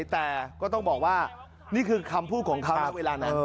แต่ก็ต้องบอกว่านี่คือคำพูดของเขานะเวลานั้น